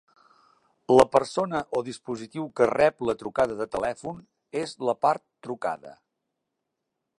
La persona o dispositiu que rep la trucada de telèfon es la part trucada.